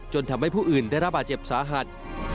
ทำให้ผู้อื่นได้รับบาดเจ็บสาหัส